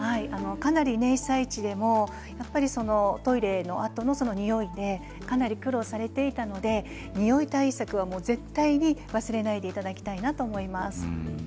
被災地でもかなりトイレのあとのにおいで苦労されていたのでにおい対策は絶対に忘れないでいただきたいと思います。